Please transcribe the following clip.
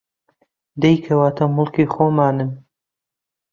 دەی کەواتە موڵکی خۆمانن